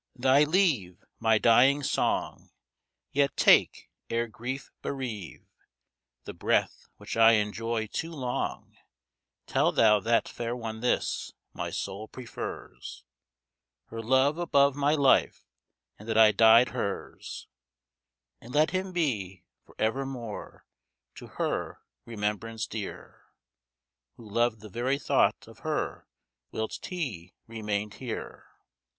Thy leave, My dying song, Yet take, ere grief bereave The breath which I enjoy too long, Tell thou that fair one this: my soul prefers Her love above my life; and that I died her's: And let him be, for evermore, to her remembrance dear, Who loved the very thought of her whilst he remained here.